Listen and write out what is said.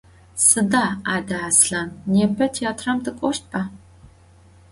Sıda, ade, Aslhan, nêpe têatram tık'oştba?